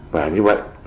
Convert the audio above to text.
và như vậy